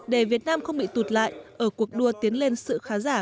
để việt nam không bị tụt lại ở cuộc đua tiến lên sự khá giả